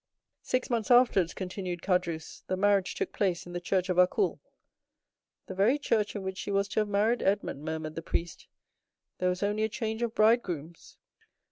'" "Six months afterwards," continued Caderousse, "the marriage took place in the church of Accoules." "The very church in which she was to have married Edmond," murmured the priest; "there was only a change of bridegrooms."